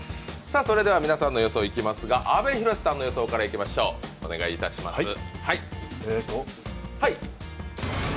それでは皆さんの予想いきますが、阿部寛さんの予想からいきましょう、お願いします。